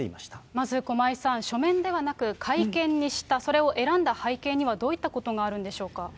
まず駒井さん、書面ではなく会見にした、それを選んだ背景には、どういったことがあるんでしょうか。